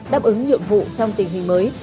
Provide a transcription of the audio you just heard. đáp ứng nhượng vụ trong tình hình mới